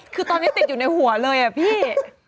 คือตอนนี้ติดอยู่ในหัวเลยอะพี่